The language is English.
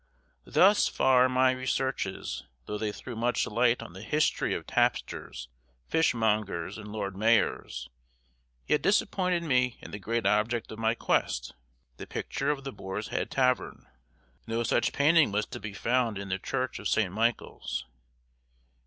Thus far my researches, though they threw much light on the history of tapsters, fishmongers, and Lord Mayors, yet disappointed me in the great object of my quest, the picture of the Boar's Head Tavern. No such painting was to be found in the church of St. Michael's.